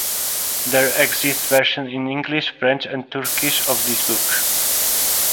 There exist versions in English, French and Turkish of this book.